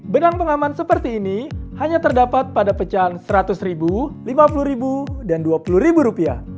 benang pengaman seperti ini hanya terdapat pada pecahan seratus ribu lima puluh ribu dan dua puluh ribu rupiah